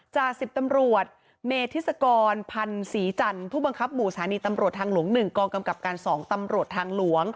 จะปรับจาก๑๐ตำรวจ